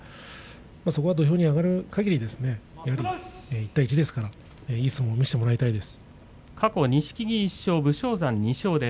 そこは土俵に上がるかぎり１対１ですからいい相撲を見せてほしいと思います。